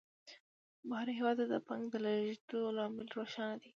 بهر هېواد ته د پانګې د لېږد لامل روښانه دی